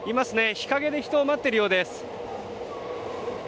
日陰で人を待っているようです。